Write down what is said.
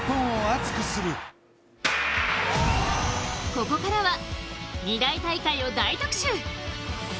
ここからは２大大会を大特集。